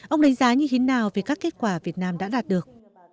ông đánh giá như thế nào về các kết quả việt nam đã đạt được